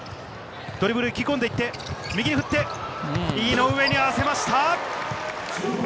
ドリブルで切り込んで右に振って、井上に合わせました。